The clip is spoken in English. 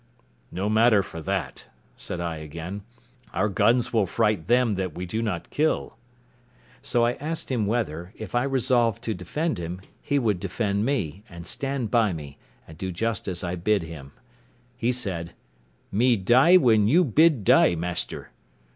"No matter for that," said I again; "our guns will fright them that we do not kill." So I asked him whether, if I resolved to defend him, he would defend me, and stand by me, and do just as I bid him. He said, "Me die when you bid die, master."